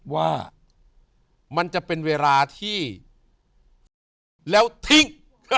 ว่ามันจะเป็นเวลาที่แล้วทิ้ง